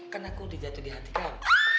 kan aku udah jatuh di hati kamu